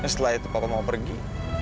setelah itu bapak mau pergi